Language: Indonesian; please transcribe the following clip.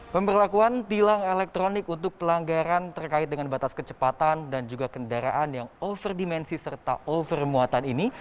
pemberlakuan tilang elektronik untuk pelanggaran terkait dengan batas kecepatan dan juga kendaraan yang overdimensi serta over muatan ini